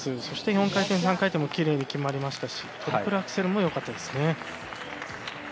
そして４回転３回転もきれいに決まりましたしトリプルアクセルも良かったですね。